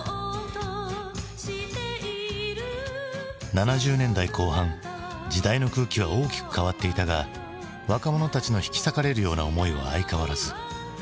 ７０年代後半時代の空気は大きく変わっていたが若者たちの引き裂かれるような思いは相変わらず。